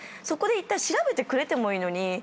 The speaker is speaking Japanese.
そこでいったん調べてくれてもいいのに。